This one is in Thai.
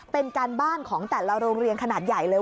เป็นการบ้านของแต่ละโรงเรียนขนาดใหญ่เลย